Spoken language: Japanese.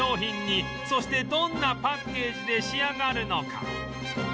そしてどんなパッケージで仕上がるのか